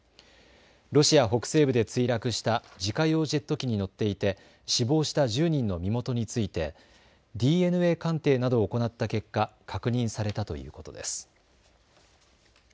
ロシア北西部で墜落した自家用ジェット機に乗っていて死亡した１０人の身元についてＤＮＡ鑑定などを行った結果、確認されたということです。